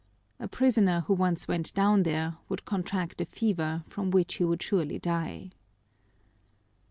A prisoner who once went down there would contract a fever from which he would surely die.